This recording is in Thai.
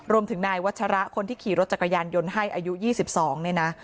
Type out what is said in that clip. รวมถึงนายวัชระคนที่ขี่รถจักรยานยนต์ให้อายุ๒๒เนี่ยนะ